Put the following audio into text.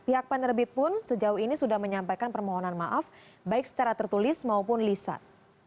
pihak penerbit pun sejauh ini sudah menyampaikan permohonan maaf baik secara tertulis maupun lisan